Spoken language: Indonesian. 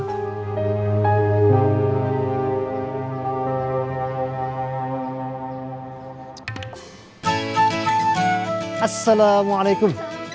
mereka sudah lama sakit